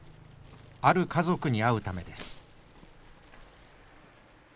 ある家族に会うためです。